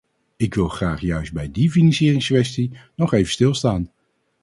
Ik wil graag juist bij die financieringskwestie nog even stilstaan.